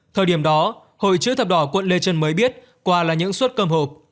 thời điểm đó hội chữ thập đỏ quận lê trân mới biết quà là những suất cơm hộp